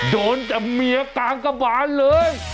โดนแต่เมียกลางกระบานเลย